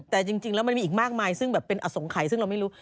แต่จริงแล้วมันมีอีกมากมายซึ่งแบบเป็นอสงไขซึ่งเราไม่รู้